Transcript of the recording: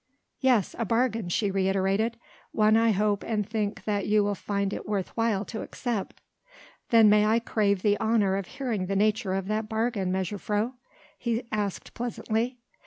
"Yes. A bargain," she reiterated. "One I hope and think that you will find it worth while to accept." "Then may I crave the honour of hearing the nature of that bargain, mejuffrouw?" he asked pleasantly.